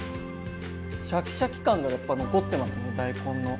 シャキシャキ感がやっぱ残ってますね大根の。